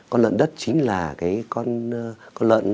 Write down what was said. con lợn đất chính là cái con lợn